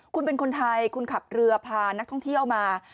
คุณเป็นคนไทยคุณขับเรือพานักท่องเที่ยวมา